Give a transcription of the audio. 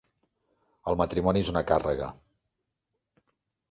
El matrimoni és una càrrega.